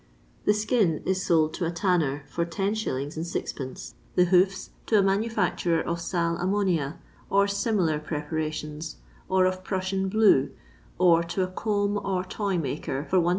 The skin is sold to a tanner for 10s. 6<2. The hoofs to a manufacturer of sal ammonia, or similar preparations, or of Prussian blue, or to a comb or toy maker, for Is.